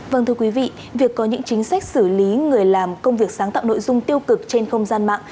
vâng thưa quý vị việc có những chính sách xử lý người làm công việc sáng tạo nội dung tiêu cực trên không gian mạng